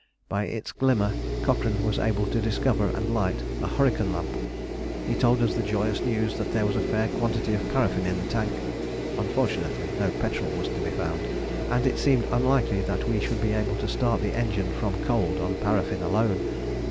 By its glimmer Cochrane was able to discover and light a hurricane lamp. He told us the joyous news that there was a fair quantity of paraffin in the tank. Unfortunately no petrol was to be found, and it seemed unlikely that we should be able to start the engine from cold on paraffin alone.